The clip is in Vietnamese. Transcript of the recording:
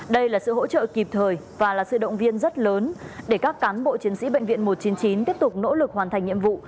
đây là sự hỗ trợ kịp thời và là sự động viên rất lớn để các cán bộ chiến sĩ bệnh viện một trăm chín mươi chín tiếp tục nỗ lực hoàn thành nhiệm vụ